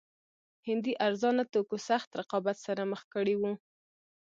هندي ارزانه توکو سخت رقابت سره مخ کړي وو.